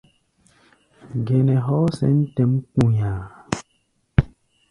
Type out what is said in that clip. Gɛnɛ hɔɔ́ sɛ̌n tɛ̌ʼm kpu̧nya̧a̧.